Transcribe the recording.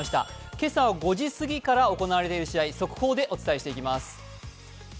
今朝５時過ぎから行われている試合速報でお伝えしていきます。